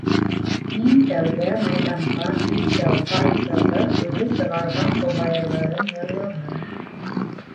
Иң тәүҙә майҙанға Иштәү ҡарт сығып, үҙе сығарған ҡобайырҙарын йырланы.